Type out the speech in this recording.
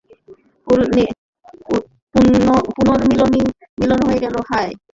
পুনর্মিলন হয়ে গেল, হাহ?